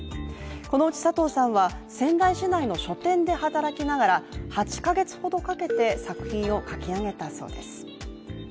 このうち佐藤さんは仙台市内の書店で働きながら８か月ほどかけて作品を書き上げたそうです。